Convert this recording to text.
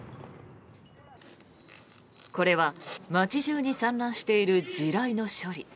これは街中に散乱している地雷の処理。